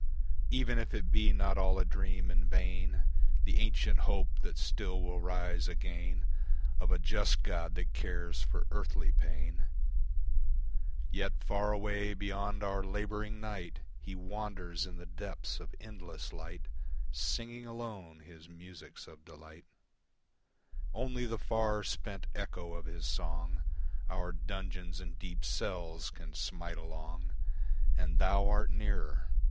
Even if it be not all a dream in vain The ancient hope that still will rise again Of a just God that cares for earthly pain, Yet far away beyond our labouring night, He wanders in the depths of endless light, Singing alone his musics of delight; Only the far, spent echo of his song Our dungeons and deep cells can smite along, And Thou art nearer.